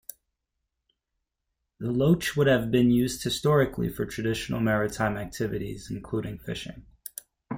The loch would have been used historically for traditional maritime activities including fishing.